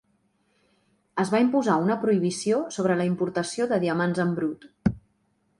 Es va imposar una prohibició sobre la importació de diamants en brut.